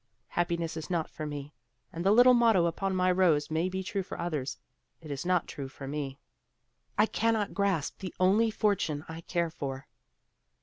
Happiness is not for me, and the little motto upon my rose may be true for others; it is not true for me. I cannot 'grasp' the only 'fortune' I care for."